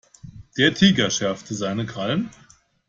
Der Tiger schärfte seine Krallen.